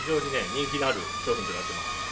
人気のある商品となってます。